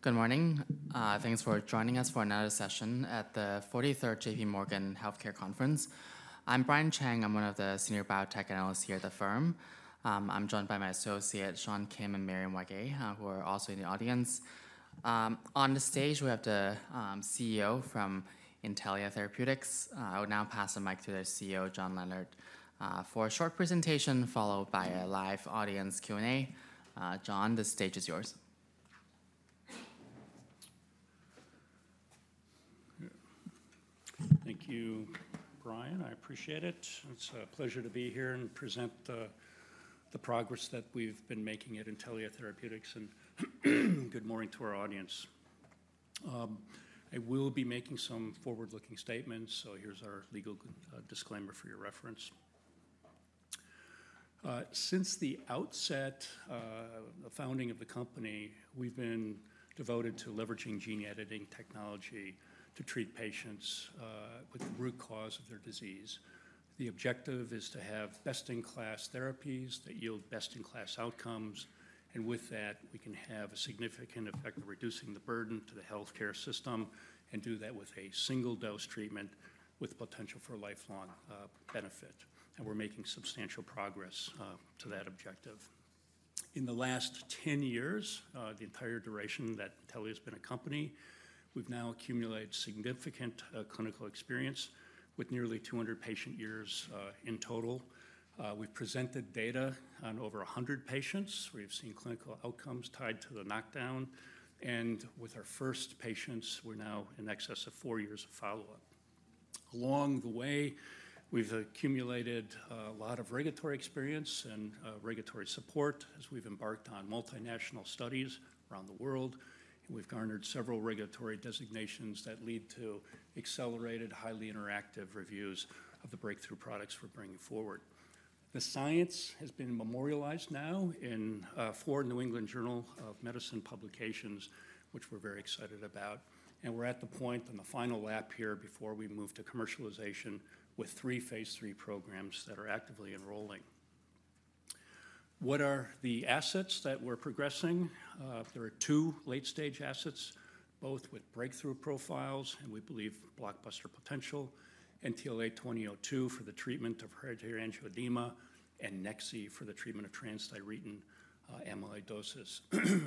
Good morning. Thanks for joining us for another session at the 43rd JPMorgan Healthcare Conference. I'm Brian Cheng. I'm one of the senior biotech analysts here at the firm. I'm joined by my associate, Sean Kim, and Marion Wagay, who are also in the audience. On the stage, we have the CEO from Intellia Therapeutics. I will now pass the mic to the CEO, John Leonard, for a short presentation followed by a live audience Q&A. John, the stage is yours. Thank you, Brian. I appreciate it. It's a pleasure to be here and present the progress that we've been making at Intellia Therapeutics. Good morning to our audience. I will be making some forward-looking statements. So here's our legal disclaimer for your reference. Since the outset of the founding of the company, we've been devoted to leveraging gene editing technology to treat patients with the root cause of their disease. The objective is to have best-in-class therapies that yield best-in-class outcomes. With that, we can have a significant effect of reducing the burden to the healthcare system and do that with a single-dose treatment with potential for lifelong benefit. We're making substantial progress to that objective. In the last 10 years, the entire duration that Intellia has been a company, we've now accumulated significant clinical experience with nearly 200 patient years in total. We've presented data on over 100 patients. We've seen clinical outcomes tied to the knockdown. And with our first patients, we're now in excess of four years of follow-up. Along the way, we've accumulated a lot of regulatory experience and regulatory support as we've embarked on multinational studies around the world. And we've garnered several regulatory designations that lead to accelerated, highly interactive reviews of the breakthrough products we're bringing forward. The science has been memorialized now in four New England Journal of Medicine publications, which we're very excited about. And we're at the point on the final lap here before we move to commercialization with three Phase 3 programs that are actively enrolling. What are the assets that we're progressing? There are two late-stage assets, both with breakthrough profiles and we believe blockbuster potential, NTLA-2002 for the treatment of hereditary angioedema and Nex-Z for the treatment of transthyretin amyloidosis.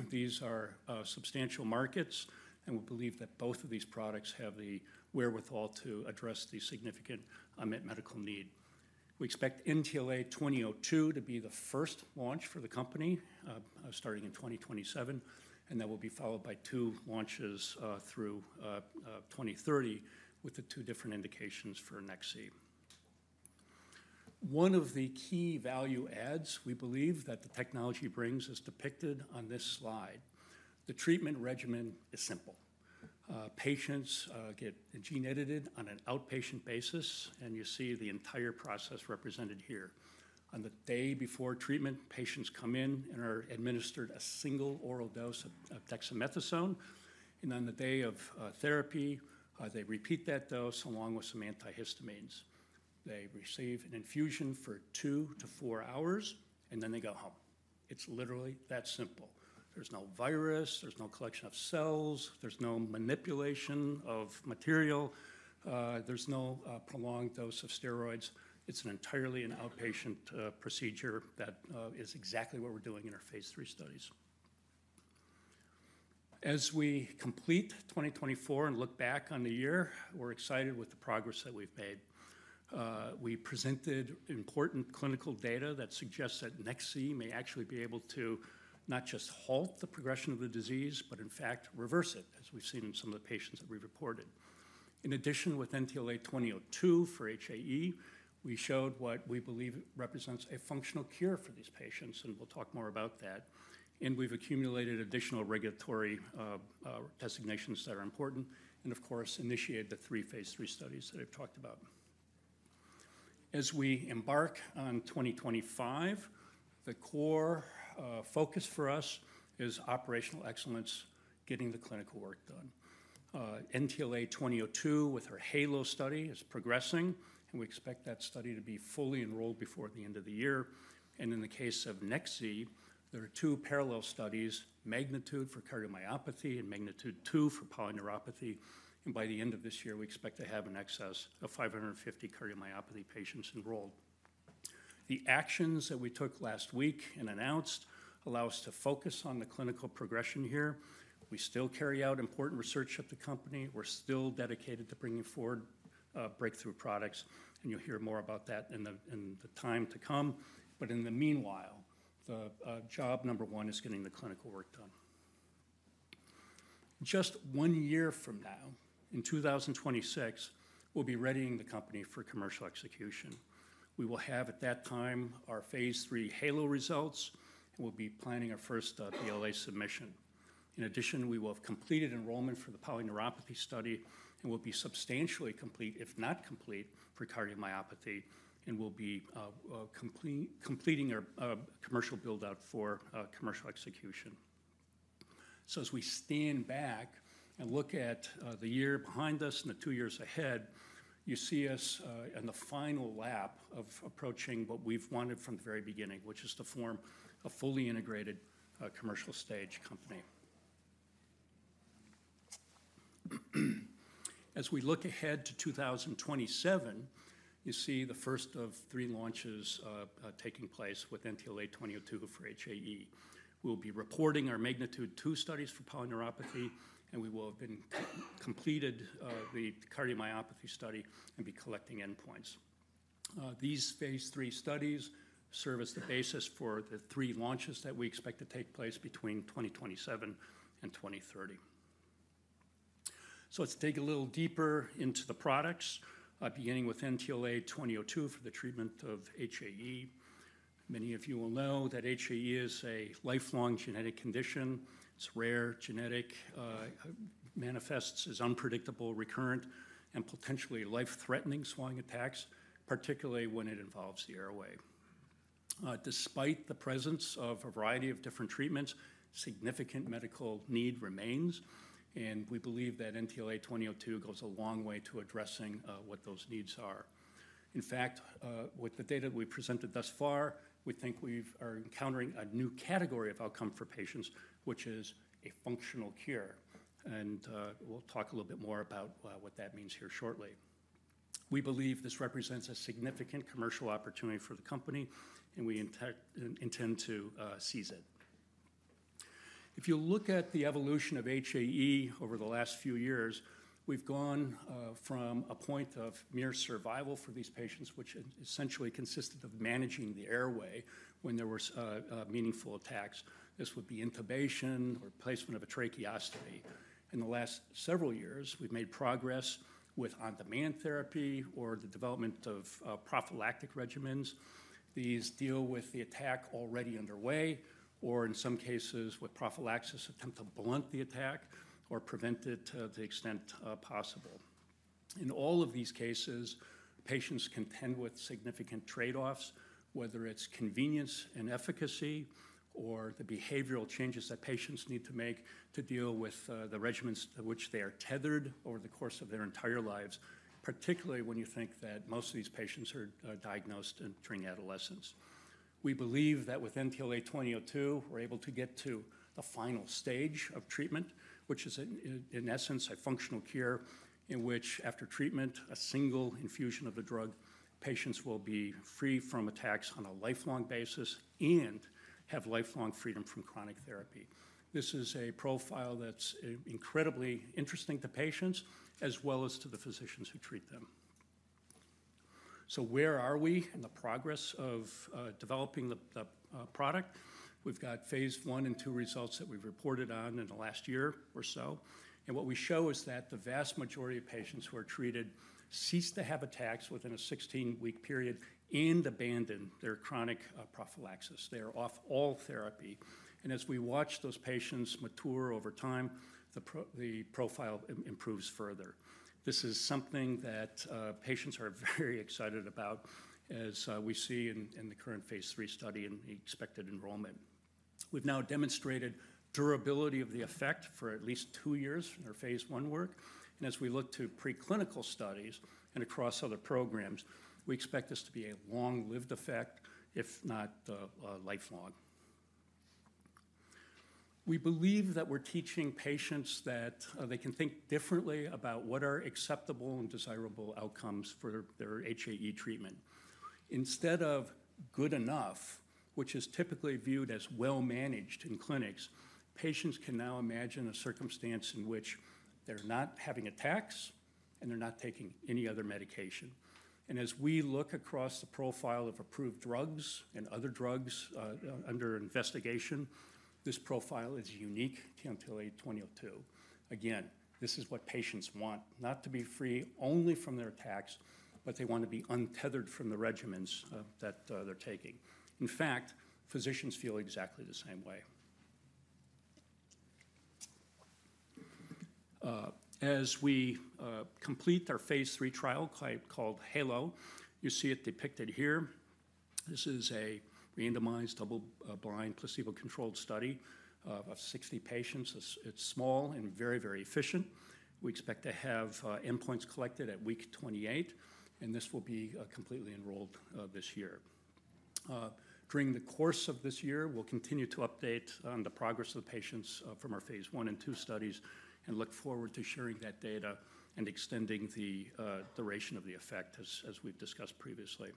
These are substantial markets, and we believe that both of these products have the wherewithal to address the significant unmet medical need. We expect NTLA-2002 to be the first launch for the company starting in 2027, and that will be followed by two launches through 2030 with the two different indications for Nex-Z. One of the key value adds we believe that the technology brings is depicted on this slide. The treatment regimen is simple. Patients get gene edited on an outpatient basis, and you see the entire process represented here. On the day before treatment, patients come in and are administered a single oral dose of dexamethasone. On the day of therapy, they repeat that dose along with some antihistamines. They receive an infusion for two to four hours. They go home. It's literally that simple. There's no virus. There's no collection of cells. There's no manipulation of material. There's no prolonged dose of steroids. It's entirely an outpatient procedure that is exactly what we're doing in our phase 3 studies. As we complete 2024 and look back on the year, we're excited with the progress that we've made. We presented important clinical data that suggests that Nex-Z may actually be able to not just halt the progression of the disease, but in fact reverse it, as we've seen in some of the patients that we've reported. In addition, with NTLA-2002 for HAE, we showed what we believe represents a functional cure for these patients. We'll talk more about that. We've accumulated additional regulatory designations that are important. And of course, initiated the three Phase 3 studies that I've talked about. As we embark on 2025, the core focus for us is operational excellence, getting the clinical work done. NTLA-2002 with the HALO study is progressing. And we expect that study to be fully enrolled before the end of the year. And in the case of Nex-Z, there are two parallel studies, Magnitude for cardiomyopathy and Magnitude-2 for polyneuropathy. And by the end of this year, we expect to have in excess of 550 cardiomyopathy patients enrolled. The actions that we took last week and announced allow us to focus on the clinical progression here. We still carry out important research at the company. We're still dedicated to bringing forward breakthrough products. And you'll hear more about that in the time to come. But in the meanwhile, the job number one is getting the clinical work done. Just one year from now, in 2026, we'll be readying the company for commercial execution. We will have at that time our Phase 3 HALO results. And we'll be planning our first BLA submission. In addition, we will have completed enrollment for the polyneuropathy study. And we'll be substantially complete, if not complete, for cardiomyopathy. And we'll be completing our commercial build-out for commercial execution. So as we stand back and look at the year behind us and the two years ahead, you see us in the final lap of approaching what we've wanted from the very beginning, which is to form a fully integrated commercial stage company. As we look ahead to 2027, you see the first of three launches taking place with NTLA-2002 for HAE. We'll be reporting our Magnitude-2 studies for polyneuropathy, and we will have completed the cardiomyopathy study and be collecting endpoints. These Phase 3 studies serve as the basis for the three launches that we expect to take place between 2027 and 2030. Let's dig a little deeper into the products, beginning with NTLA-2002 for the treatment of HAE. Many of you will know that HAE is a lifelong genetic condition. It's rare. It manifests as unpredictable, recurrent, and potentially life-threatening swelling attacks, particularly when it involves the airway. Despite the presence of a variety of different treatments, significant medical need remains, and we believe that NTLA-2002 goes a long way to addressing what those needs are. In fact, with the data that we've presented thus far, we think we are encountering a new category of outcome for patients, which is a functional cure. We'll talk a little bit more about what that means here shortly. We believe this represents a significant commercial opportunity for the company. We intend to seize it. If you look at the evolution of HAE over the last few years, we've gone from a point of mere survival for these patients, which essentially consisted of managing the airway when there were meaningful attacks. This would be intubation or placement of a tracheostomy. In the last several years, we've made progress with on-demand therapy or the development of prophylactic regimens. These deal with the attack already underway or, in some cases, with prophylaxis to attempt to blunt the attack or prevent it to the extent possible. In all of these cases, patients contend with significant trade-offs, whether it's convenience and efficacy or the behavioral changes that patients need to make to deal with the regimens to which they are tethered over the course of their entire lives, particularly when you think that most of these patients are diagnosed during adolescence. We believe that with NTLA-2002, we're able to get to the final stage of treatment, which is, in essence, a functional cure in which, after treatment, a single infusion of the drug, patients will be free from attacks on a lifelong basis and have lifelong freedom from chronic therapy. This is a profile that's incredibly interesting to patients as well as to the physicians who treat them. So where are we in the progress of developing the product? We've got phase one and two results that we've reported on in the last year or so. What we show is that the vast majority of patients who are treated cease to have attacks within a 16-week period and abandon their chronic prophylaxis. They are off all therapy. As we watch those patients mature over time, the profile improves further. This is something that patients are very excited about, as we see in the current Phase 3 study and the expected enrollment. We've now demonstrated durability of the effect for at least two years in our Phase 1 work. As we look to preclinical studies and across other programs, we expect this to be a long-lived effect, if not lifelong. We believe that we're teaching patients that they can think differently about what are acceptable and desirable outcomes for their HAE treatment. Instead of good enough, which is typically viewed as well-managed in clinics, patients can now imagine a circumstance in which they're not having attacks and they're not taking any other medication, and as we look across the profile of approved drugs and other drugs under investigation, this profile is unique to NTLA-2002. Again, this is what patients want, not to be free only from their attacks, but they want to be untethered from the regimens that they're taking. In fact, physicians feel exactly the same way. As we complete our phase 3 trial called HALO, you see it depicted here. This is a randomized double-blind placebo-controlled study of 60 patients. It's small and very, very efficient. We expect to have endpoints collected at week 28, and this will be completely enrolled this year. During the course of this year, we'll continue to update on the progress of the patients from our phase one and two studies and look forward to sharing that data and extending the duration of the effect, as we've discussed previously.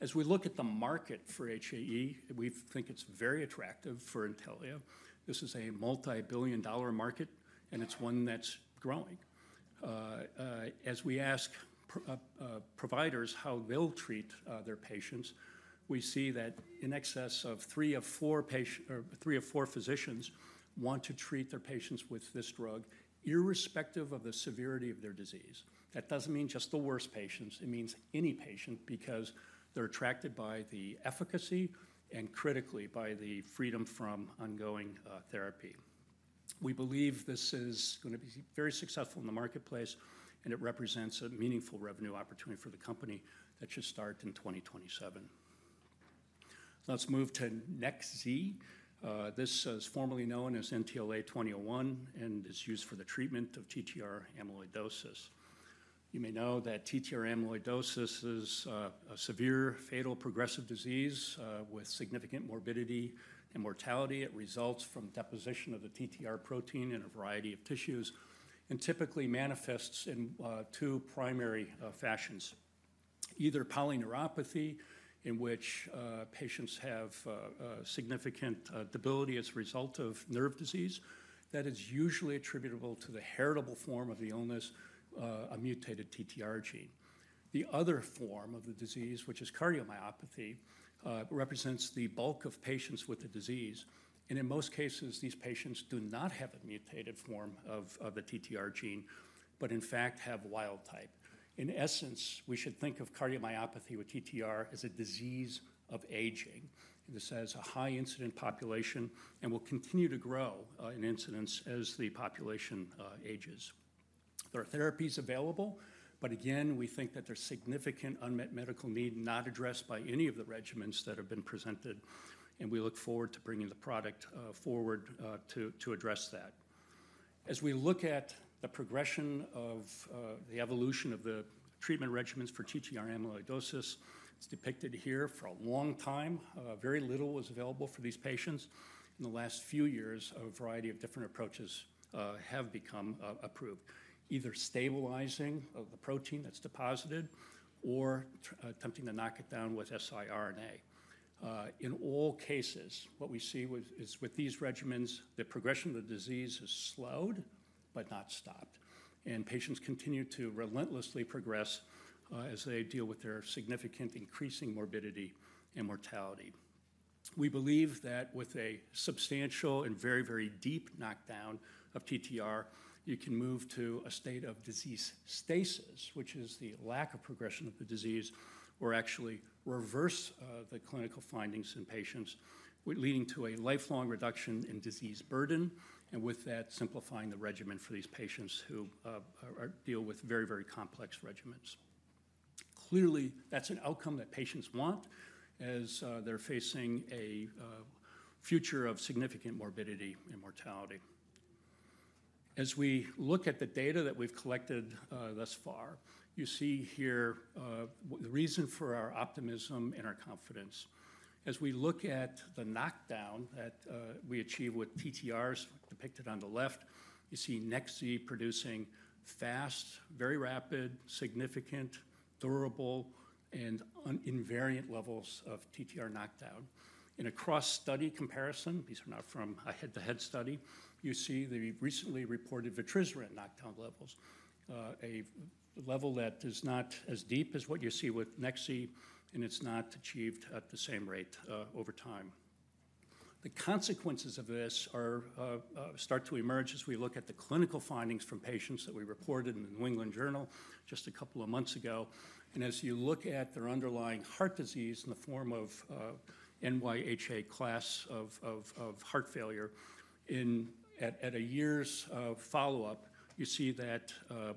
As we look at the market for HAE, we think it's very attractive for Intellia. This is a multi-billion-dollar market, and it's one that's growing. As we ask providers how they'll treat their patients, we see that in excess of three of four physicians want to treat their patients with this drug, irrespective of the severity of their disease. That doesn't mean just the worst patients. It means any patient because they're attracted by the efficacy and critically by the freedom from ongoing therapy. We believe this is going to be very successful in the marketplace. And it represents a meaningful revenue opportunity for the company that should start in 2027. Let's move to Nex-Z. This is formerly known as NTLA-2001 and is used for the treatment of TTR amyloidosis. You may know that TTR amyloidosis is a severe, fatal, progressive disease with significant morbidity and mortality. It results from deposition of the TTR protein in a variety of tissues and typically manifests in two primary fashions, either polyneuropathy, in which patients have significant debility as a result of nerve disease that is usually attributable to the heritable form of the illness, a mutated TTR gene. The other form of the disease, which is cardiomyopathy, represents the bulk of patients with the disease. And in most cases, these patients do not have a mutated form of the TTR gene, but in fact have wild type. In essence, we should think of cardiomyopathy with TTR as a disease of aging. This has a high-incidence population and will continue to grow in incidence as the population ages. There are therapies available. But again, we think that there's significant unmet medical need not addressed by any of the regimens that have been presented, and we look forward to bringing the product forward to address that. As we look at the progression of the evolution of the treatment regimens for TTR amyloidosis, it's depicted here for a long time. Very little was available for these patients. In the last few years, a variety of different approaches have become approved, either stabilizing the protein that's deposited or attempting to knock it down with siRNA. In all cases, what we see is with these regimens, the progression of the disease has slowed but not stopped. And patients continue to relentlessly progress as they deal with their significant increasing morbidity and mortality. We believe that with a substantial and very, very deep knockdown of TTR, you can move to a state of disease stasis, which is the lack of progression of the disease or actually reverse the clinical findings in patients, leading to a lifelong reduction in disease burden. And with that, simplifying the regimen for these patients who deal with very, very complex regimens. Clearly, that's an outcome that patients want as they're facing a future of significant morbidity and mortality. As we look at the data that we've collected thus far, you see here the reason for our optimism and our confidence. As we look at the knockdown that we achieve with TTRs depicted on the left, you see Nex-Z producing fast, very rapid, significant, durable, and invariant levels of TTR knockdown. In a cross-study comparison, these are not from a head-to-head study. You see the recently reported vutrisiran knockdown levels, a level that is not as deep as what you see with Nex-Z, and it's not achieved at the same rate over time. The consequences of this start to emerge as we look at the clinical findings from patients that we reported in The New England Journal of Medicine just a couple of months ago. As you look at their underlying heart disease in the form of NYHA class of heart failure, at a year's follow-up, you see that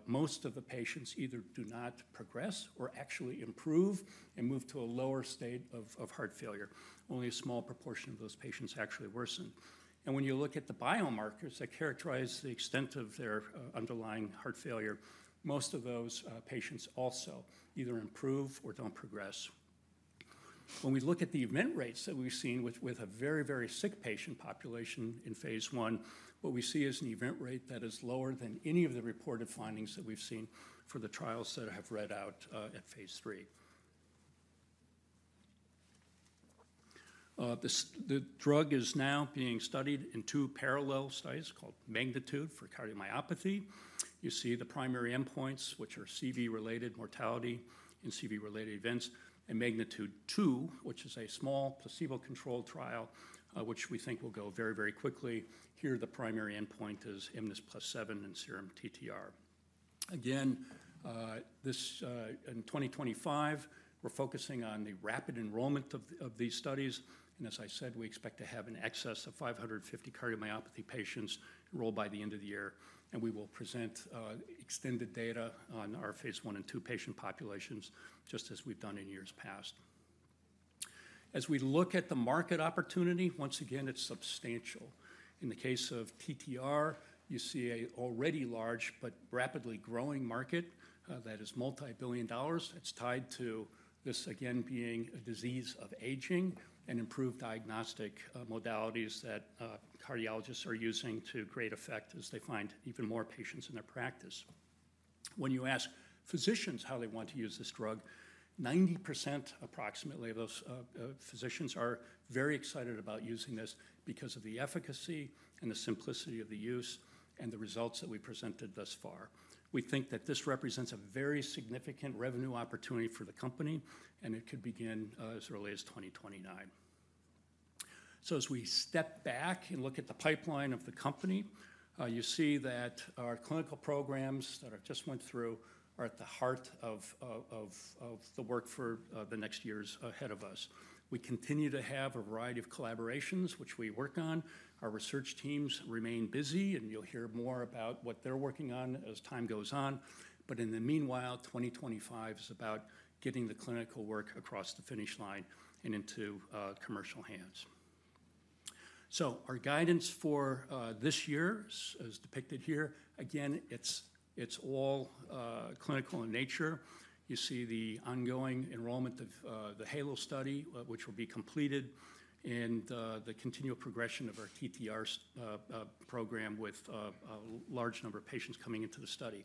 most of the patients either do not progress or actually improve and move to a lower state of heart failure. Only a small proportion of those patients actually worsen. And when you look at the biomarkers that characterize the extent of their underlying heart failure, most of those patients also either improve or don't progress. When we look at the event rates that we've seen with a very, very sick patient population in phase one, what we see is an event rate that is lower than any of the reported findings that we've seen for the trials that have read out at phase 3. The drug is now being studied in two parallel studies called Magnitude for cardiomyopathy. You see the primary endpoints, which are CV-related mortality and CV-related events, and Magnitude-2, which is a small placebo-controlled trial, which we think will go very, very quickly. Here, the primary endpoint is mNIS+7 and serum TTR. Again, in 2025, we're focusing on the rapid enrollment of these studies. As I said, we expect to have an excess of 550 cardiomyopathy patients enrolled by the end of the year. We will present extended data on our Phase 1 and 2 patient populations, just as we've done in years past. As we look at the market opportunity, once again, it's substantial. In the case of TTR, you see an already large but rapidly growing market that is multi-billion dollars. It's tied to this, again, being a disease of aging and improved diagnostic modalities that cardiologists are using to great effect as they find even more patients in their practice. When you ask physicians how they want to use this drug, approximately 90% of those physicians are very excited about using this because of the efficacy and the simplicity of the use and the results that we presented thus far. We think that this represents a very significant revenue opportunity for the company, and it could begin as early as 2029, so as we step back and look at the pipeline of the company, you see that our clinical programs that I just went through are at the heart of the work for the next years ahead of us. We continue to have a variety of collaborations, which we work on. Our research teams remain busy, and you'll hear more about what they're working on as time goes on, but in the meanwhile, 2025 is about getting the clinical work across the finish line and into commercial hands, so our guidance for this year is depicted here. Again, it's all clinical in nature. You see the ongoing enrollment of the HALO study, which will be completed, and the continual progression of our TTR program with a large number of patients coming into the study.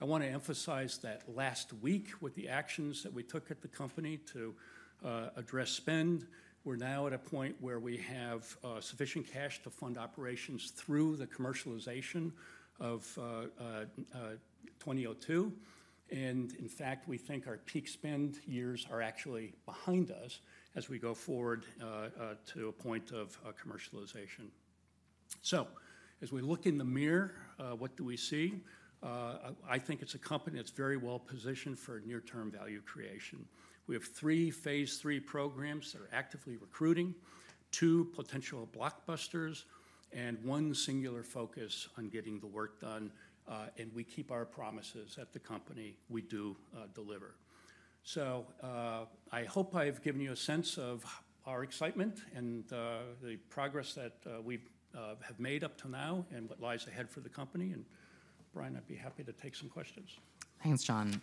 I want to emphasize that last week, with the actions that we took at the company to address spend, we're now at a point where we have sufficient cash to fund operations through the commercialization of 2002. And in fact, we think our peak spend years are actually behind us as we go forward to a point of commercialization. So as we look in the mirror, what do we see? I think it's a company that's very well positioned for near-term value creation. We have three Phase 3 programs that are actively recruiting, two potential blockbusters, and one singular focus on getting the work done. And we keep our promises at the company. We do deliver. So I hope I've given you a sense of our excitement and the progress that we have made up to now and what lies ahead for the company. And Brian, I'd be happy to take some questions. Thanks, John.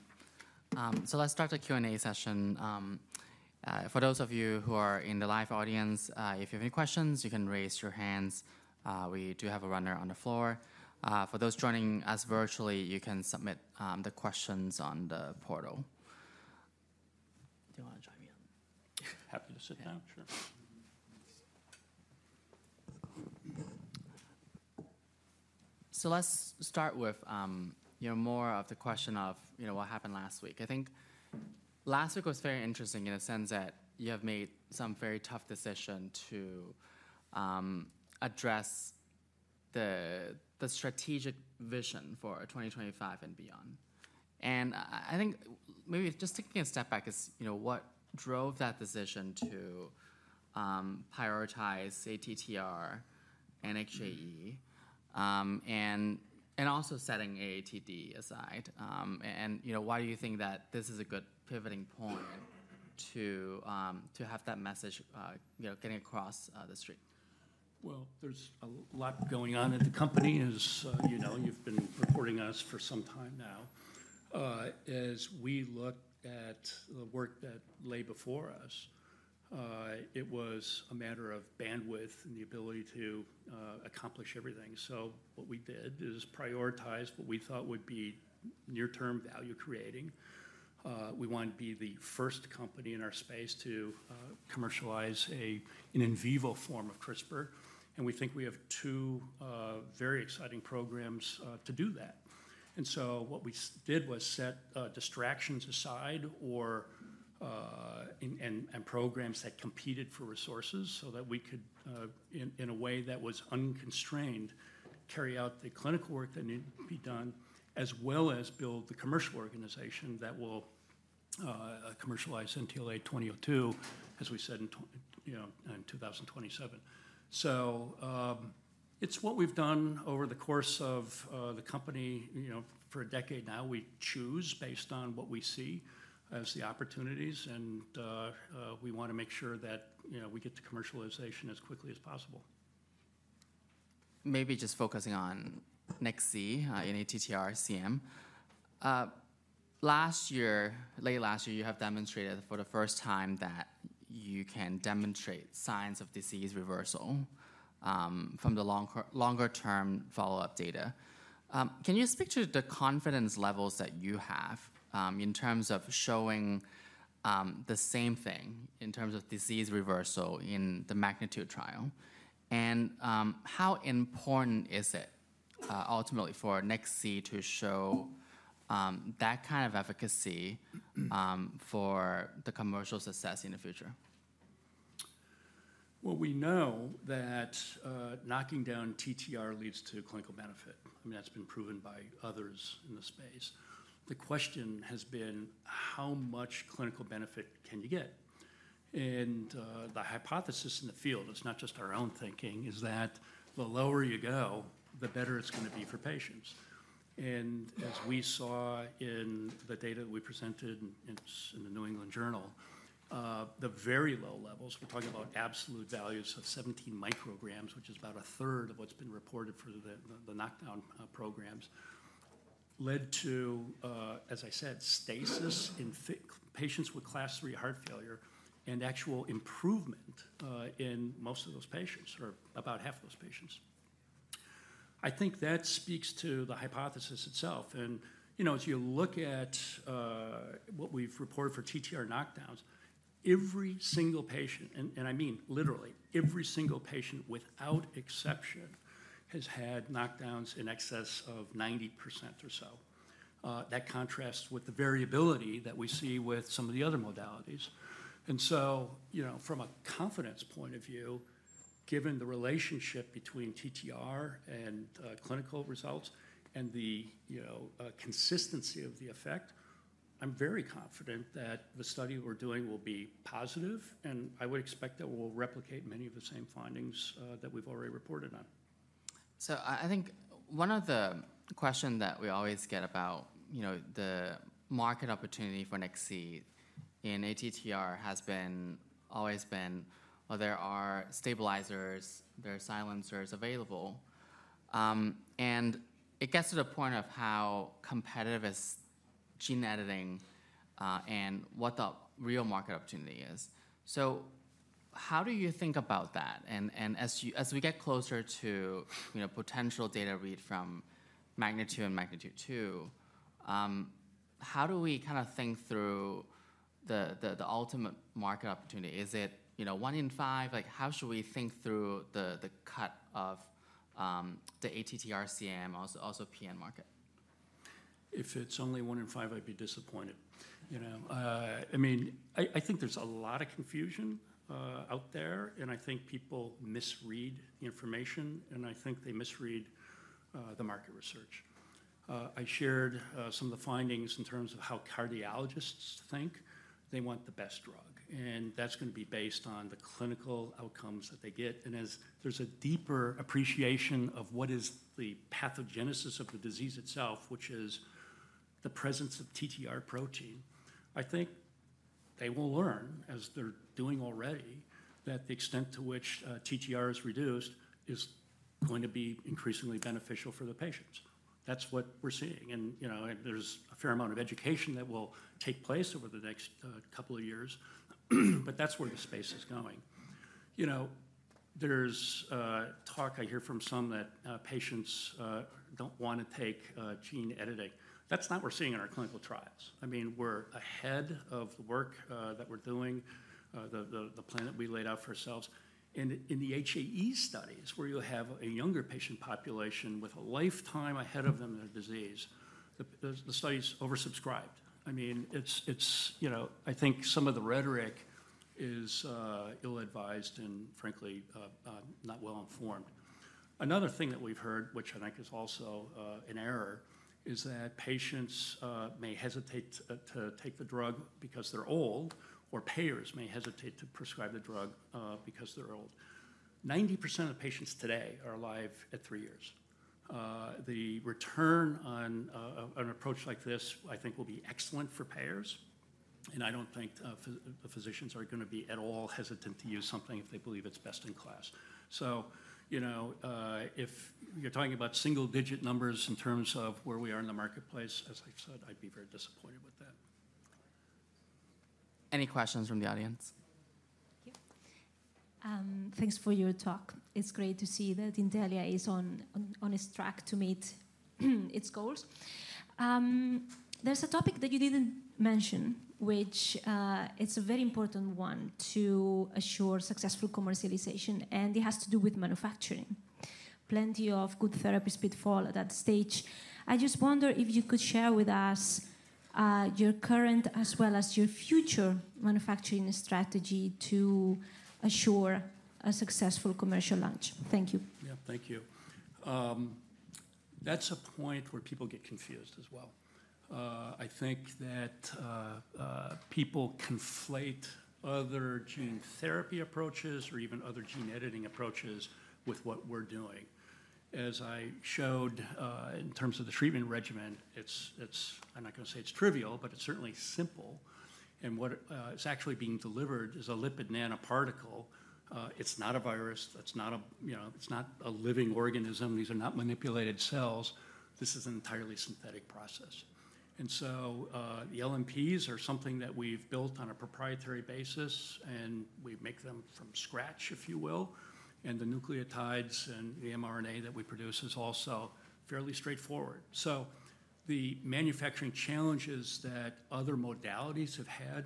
So let's start the Q&A session. For those of you who are in the live audience, if you have any questions, you can raise your hands. We do have a runner on the floor. For those joining us virtually, you can submit the questions on the portal. Do you want to join me? Happy to sit down. Sure. So let's start with more of the question of what happened last week. I think last week was very interesting in the sense that you have made some very tough decision to address the strategic vision for 2025 and beyond. And I think maybe just taking a step back is what drove that decision to prioritize ATTR and HAE and also setting AATD aside? And why do you think that this is a good pivoting point to have that message getting across the street? Well, there's a lot going on at the company. You've been reporting to us for some time now. As we look at the work that lay before us, it was a matter of bandwidth and the ability to accomplish everything. So what we did is prioritize what we thought would be near-term value creating. We wanted to be the first company in our space to commercialize an in vivo form of CRISPR. And we think we have two very exciting programs to do that. And so what we did was set distractions aside and programs that competed for resources so that we could, in a way that was unconstrained, carry out the clinical work that needed to be done, as well as build the commercial organization that will commercialize NTLA-2002, as we said, in 2027. It's what we've done over the course of the company for a decade now. We choose based on what we see as the opportunities. We want to make sure that we get to commercialization as quickly as possible. Maybe just focusing on Nex-Z in ATTR CM. Last year, late last year, you have demonstrated for the first time that you can demonstrate signs of disease reversal from the longer-term follow-up data. Can you speak to the confidence levels that you have in terms of showing the same thing in terms of disease reversal in the Magnitude trial? And how important is it ultimately for Nex-Z to show that kind of efficacy for the commercial success in the future? We know that knocking down TTR leads to clinical benefit. I mean, that's been proven by others in the space. The question has been, how much clinical benefit can you get? And the hypothesis in the field, it's not just our own thinking, is that the lower you go, the better it's going to be for patients. And as we saw in the data that we presented in the New England Journal, the very low levels, we're talking about absolute values of 17 micrograms, which is about a third of what's been reported for the knockdown programs, led to, as I said, stasis in patients with class three heart failure and actual improvement in most of those patients or about half of those patients. I think that speaks to the hypothesis itself. And as you look at what we've reported for TTR knockdowns, every single patient, and I mean literally, every single patient without exception has had knockdowns in excess of 90% or so. That contrasts with the variability that we see with some of the other modalities. And so from a confidence point of view, given the relationship between TTR and clinical results and the consistency of the effect, I'm very confident that the study we're doing will be positive. And I would expect that we'll replicate many of the same findings that we've already reported on. So I think one of the questions that we always get about the market opportunity for Nex-Z in ATTR has always been, well, there are stabilizers, there are silencers available. And it gets to the point of how competitive is gene editing and what the real market opportunity is. So how do you think about that? And as we get closer to potential data read from Magnitude and Magnitude-2, how do we kind of think through the ultimate market opportunity? Is it one in five? How should we think through the cut of the ATTR CM, also PN market? If it's only one in five, I'd be disappointed. I mean, I think there's a lot of confusion out there. And I think people misread the information. And I think they misread the market research. I shared some of the findings in terms of how cardiologists think they want the best drug. And that's going to be based on the clinical outcomes that they get. And as there's a deeper appreciation of what is the pathogenesis of the disease itself, which is the presence of TTR protein, I think they will learn, as they're doing already, that the extent to which TTR is reduced is going to be increasingly beneficial for the patients. That's what we're seeing. And there's a fair amount of education that will take place over the next couple of years. But that's where the space is going. There's talk, I hear from some, that patients don't want to take gene editing. That's not what we're seeing in our clinical trials. I mean, we're ahead of the work that we're doing, the plan that we laid out for ourselves, and in the HAE studies, where you have a younger patient population with a lifetime ahead of them in their disease, the study's oversubscribed. I mean, I think some of the rhetoric is ill-advised and, frankly, not well-informed. Another thing that we've heard, which I think is also an error, is that patients may hesitate to take the drug because they're old, or payers may hesitate to prescribe the drug because they're old. 90% of patients today are alive at three years. The return on an approach like this, I think, will be excellent for payers. And I don't think the physicians are going to be at all hesitant to use something if they believe it's best in class. So if you're talking about single-digit numbers in terms of where we are in the marketplace, as I've said, I'd be very disappointed with that. Any questions from the audience? Thank you. Thanks for your talk. It's great to see that Intellia is on its track to meet its goals. There's a topic that you didn't mention, which is a very important one to assure successful commercialization, and it has to do with manufacturing. Plenty of good therapies could fall at that stage. I just wonder if you could share with us your current as well as your future manufacturing strategy to assure a successful commercial launch. Thank you. Yeah, thank you. That's a point where people get confused as well. I think that people conflate other gene therapy approaches or even other gene editing approaches with what we're doing. As I showed in terms of the treatment regimen, I'm not going to say it's trivial, but it's certainly simple, and what is actually being delivered is a lipid nanoparticle. It's not a virus. It's not a living organism. These are not manipulated cells. This is an entirely synthetic process, and so the LNPs are something that we've built on a proprietary basis. We make them from scratch, if you will, and the nucleotides and the mRNA that we produce is also fairly straightforward, so the manufacturing challenges that other modalities have had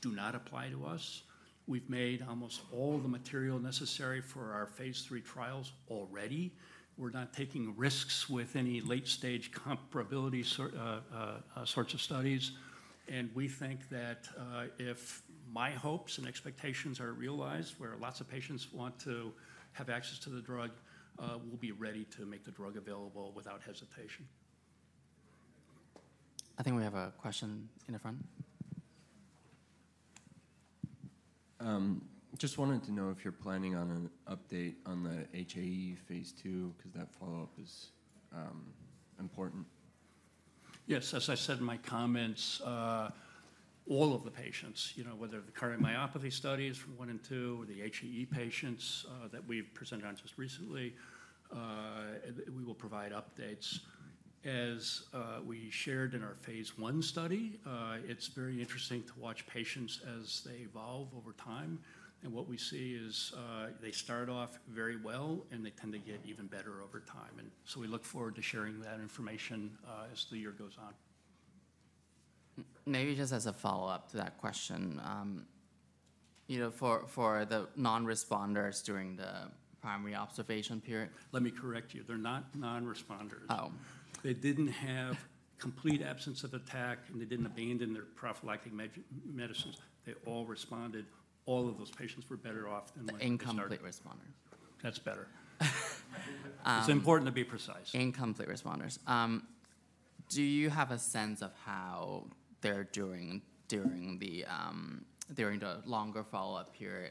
do not apply to us. We've made almost all the material necessary for our Phase 3 trials already. We're not taking risks with any late-stage comparability sorts of studies, and we think that if my hopes and expectations are realized, where lots of patients want to have access to the drug, we'll be ready to make the drug available without hesitation. I think we have a question in the front. Just wanted to know if you're planning on an update on the HAE phase 2, because that follow-up is important. Yes, as I said in my comments, all of the patients, whether the cardiomyopathy studies from one and two or the HAE patients that we've presented on just recently, we will provide updates. As we shared in our phase one study, it's very interesting to watch patients as they evolve over time. And what we see is they start off very well, and they tend to get even better over time. And so we look forward to sharing that information as the year goes on. Maybe just as a follow-up to that question, for the non-responders during the primary observation period. Let me correct you. They're not non-responders. They didn't have complete absence of attack, and they didn't abandon their prophylactic medicines. They all responded. All of those patients were better off than what they started. Incomplete responders. That's better. It's important to be precise. Incomplete responders. Do you have a sense of how they're doing during the longer follow-up period?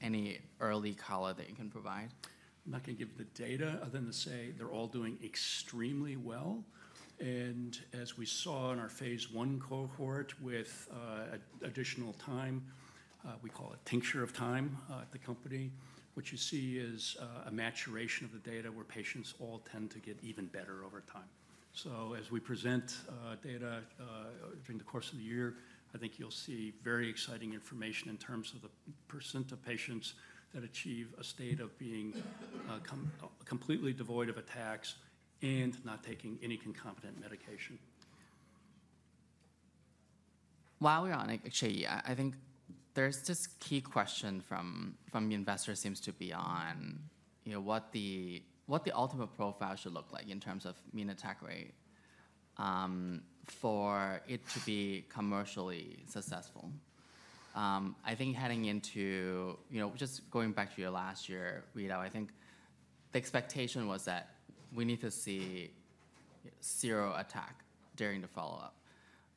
Any early color that you can provide? I'm not going to give the data other than to say they're all doing extremely well. And as we saw in our Phase 1 cohort with additional time, we call it tincture of time at the company, what you see is a maturation of the data where patients all tend to get even better over time. So as we present data during the course of the year, I think you'll see very exciting information in terms of the percent of patients that achieve a state of being completely devoid of attacks and not taking any concomitant medication. While we're on HAE, I think there's this key question from the investors seems to be on what the ultimate profile should look like in terms of mean attack rate for it to be commercially successful. I think heading into just going back to your last year, Vito, I think the expectation was that we need to see zero attack during the follow-up.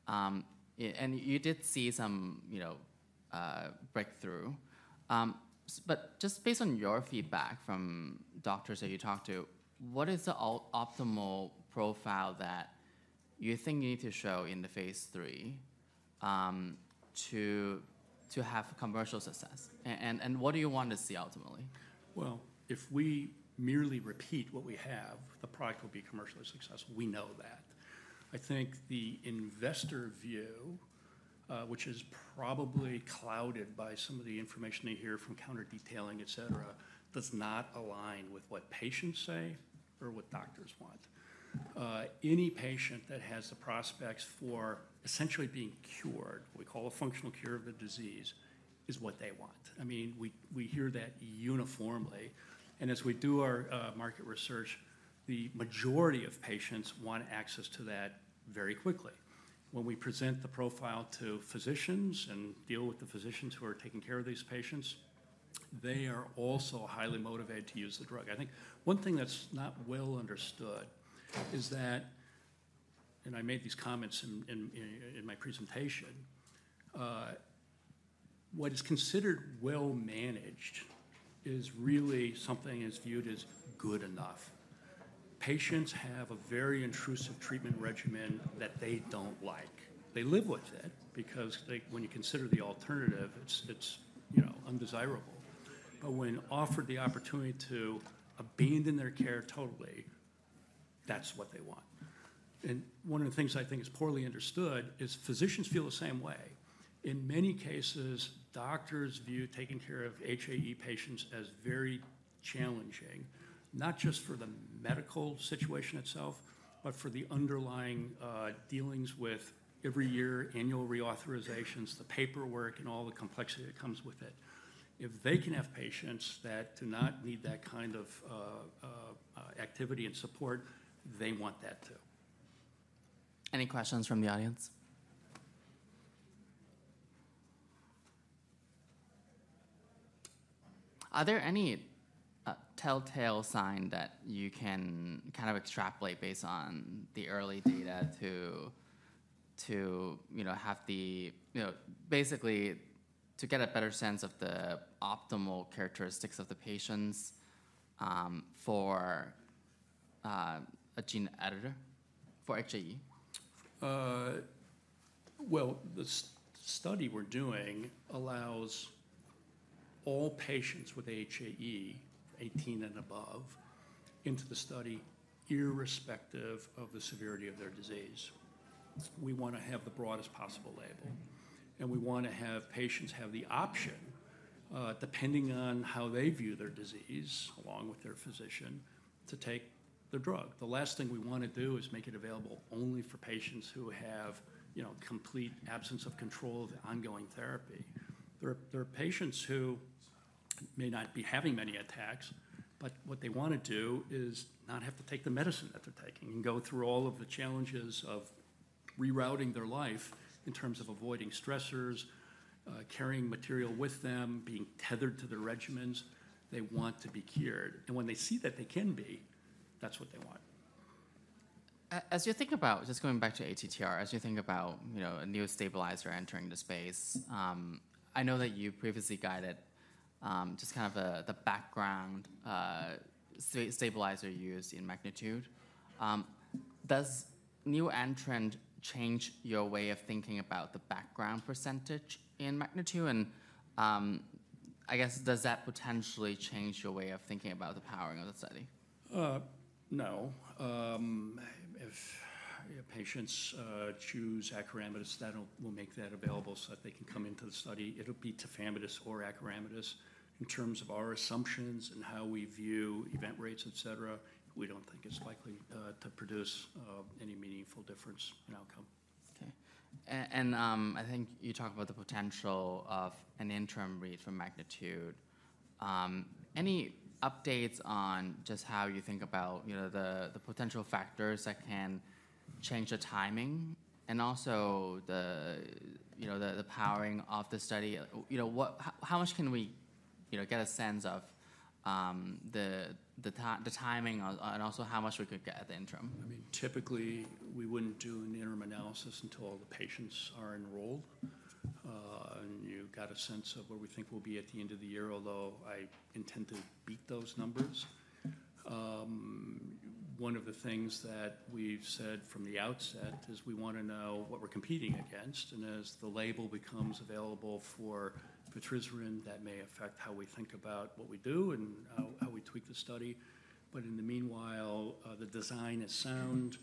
And you did see some breakthrough. But just based on your feedback from doctors that you talked to, what is the optimal profile that you think you need to show in the phase 3 to have commercial success? And what do you want to see ultimately? If we merely repeat what we have, the product will be commercially successful. We know that. I think the investor view, which is probably clouded by some of the information they hear from counter detailing, et cetera, does not align with what patients say or what doctors want. Any patient that has the prospects for essentially being cured, what we call a functional cure of the disease, is what they want. I mean, we hear that uniformly. As we do our market research, the majority of patients want access to that very quickly. When we present the profile to physicians and deal with the physicians who are taking care of these patients, they are also highly motivated to use the drug. I think one thing that's not well understood is that, and I made these comments in my presentation, what is considered well managed is really something that is viewed as good enough. Patients have a very intrusive treatment regimen that they don't like. They live with it because when you consider the alternative, it's undesirable. But when offered the opportunity to abandon their care totally, that's what they want. And one of the things I think is poorly understood is physicians feel the same way. In many cases, doctors view taking care of HAE patients as very challenging, not just for the medical situation itself, but for the underlying dealings with every year, annual reauthorizations, the paperwork, and all the complexity that comes with it. If they can have patients that do not need that kind of activity and support, they want that too. Any questions from the audience? Are there any telltale signs that you can kind of extrapolate based on the early data to have the basically to get a better sense of the optimal characteristics of the patients for a gene editor for HAE? The study we're doing allows all patients with HAE, 18 and above, into the study irrespective of the severity of their disease. We want to have the broadest possible label. And we want to have patients have the option, depending on how they view their disease along with their physician, to take the drug. The last thing we want to do is make it available only for patients who have complete absence of control of the ongoing therapy. There are patients who may not be having many attacks, but what they want to do is not have to take the medicine that they're taking and go through all of the challenges of rerouting their life in terms of avoiding stressors, carrying material with them, being tethered to their regimens. They want to be cured. And when they see that they can be, that's what they want. As you think about just going back to ATTR, as you think about a new stabilizer entering the space, I know that you previously guided just kind of the background stabilizer used in Magnitude. Does new entrant change your way of thinking about the background percentage in Magnitude? And I guess, does that potentially change your way of thinking about the powering of the study? No. If patients choose acoramidis, that will make that available so that they can come into the study. It'll be tafamidis or acoramidis. In terms of our assumptions and how we view event rates, et cetera, we don't think it's likely to produce any meaningful difference in outcome. OK. And I think you talked about the potential of an interim read for Magnitude. Any updates on just how you think about the potential factors that can change the timing and also the powering of the study? How much can we get a sense of the timing and also how much we could get at the interim? I mean, typically, we wouldn't do an interim analysis until all the patients are enrolled, and you got a sense of where we think we'll be at the end of the year, although I intend to beat those numbers. One of the things that we've said from the outset is we want to know what we're competing against, and as the label becomes available for patisiran, that may affect how we think about what we do and how we tweak the study. But in the meanwhile, the design is sound.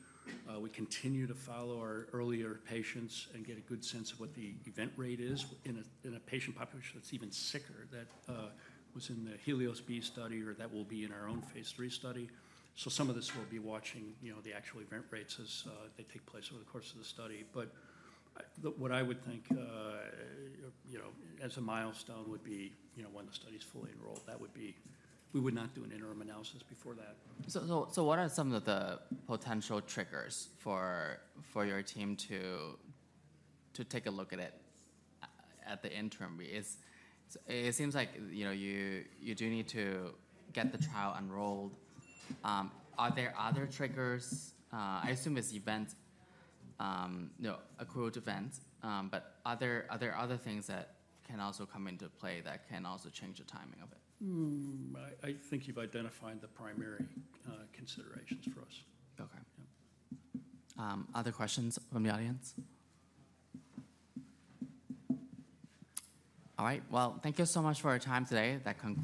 We continue to follow our earlier patients and get a good sense of what the event rate is in a patient population that's even sicker than that was in the HELIOS-B study or that will be in our own Phase 3 study. Some of this we'll be watching the actual event rates as they take place over the course of the study. What I would think as a milestone would be when the study is fully enrolled, that would be we would not do an interim analysis before that. So what are some of the potential triggers for your team to take a look at it at the interim? It seems like you do need to get the trial enrolled. Are there other triggers? I assume it's events, accrued events. But are there other things that can also come into play that can also change the timing of it? I think you've identified the primary considerations for us. OK. Other questions from the audience? All right. Well, thank you so much for your time today. That concludes.